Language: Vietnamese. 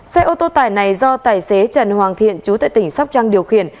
xe ô tô tải này do tài xế trần hoàng thiện chú tại tỉnh sóc trăng điều khiển